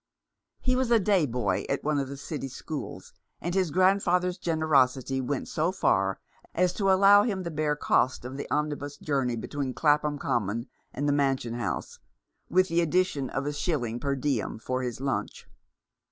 He was a day boy at one of the City schools, and his grandfather's generosity went so far as to allow him the bare cost of the omnibus journey between Clapham Common and the Mansion House, with the addition of a shilling per diem for his lunch.